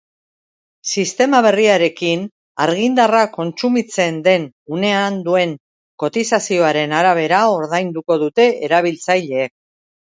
Sistema berriarekin, argindarra kontsumitzen den unean duen kotizazioaren arabera ordainduko dute erabiltzaileek.